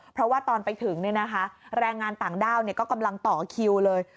เพราะว่าตอนไปถึงแรงงานต่างด้าวก็กำลังต่อคิวเลย